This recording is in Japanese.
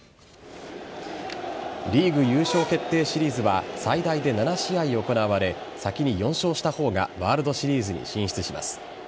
リーグ優勝決定シリーズは最大で７試合行われ先に４勝した方がワールドシリーズに進出します。